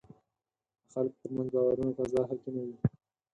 د خلکو ترمنځ باورونو فضا حاکمه وي.